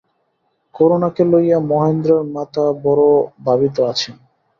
করুণাকে লইয়া মহেন্দ্রের মাতা বড়ো ভাবিত আছেন।